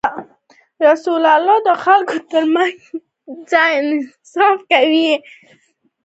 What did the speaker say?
رسول الله ﷺ د خلکو ترمنځ انصاف کاوه.